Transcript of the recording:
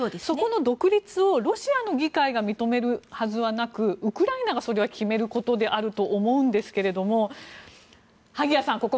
そこの独立をロシアの議会が認めるはずはなくウクライナがそれは決めることであると思うんですけれども萩谷さん